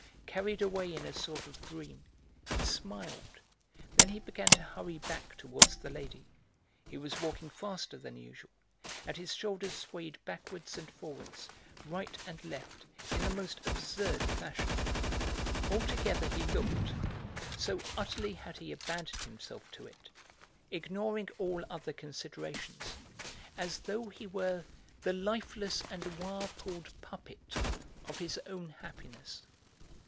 Carried away in a sort of dream, he smiled, then he began to hurry back towards the lady; he was walking faster than usual, and his shoulders swayed backwards and forwards, right and left, in the most absurd fashion; altogether he looked, so utterly had he abandoned himself to it, ignoring all other considerations, as though he were the lifeless and wire pulled puppet of his own happiness.